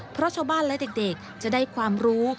เพราะชาวบ้านและเด็กจะได้ความรู้